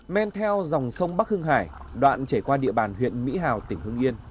men theo dòng sông bắc hưng hải đoạn chảy qua địa bàn huyện mỹ hào tỉnh hưng yên